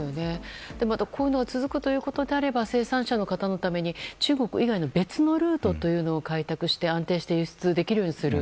こういうのが続くのであれば生産者の方のために中国以外の別のルートを開拓して安定して輸出できるようにする。